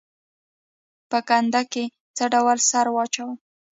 په کنده کې څه ډول سره واچوم؟